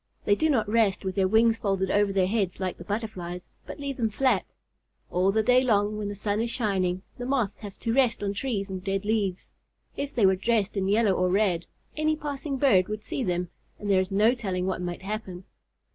They do not rest with their wings folded over their heads like the Butterflies, but leave them flat. All the day long, when the sun is shining, the Moths have to rest on trees and dead leaves. If they were dressed in yellow or red, any passing bird would see them, and there is no telling what might happen.